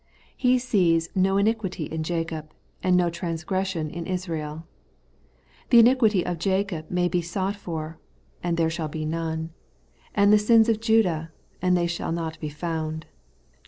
* He sees ' no iniquity in Jacob, and no transgression in Israel' ' The iniquity of Jacob may be sought for, and there shall be none; and the sins of Judah, and they shall not be found' (Jer.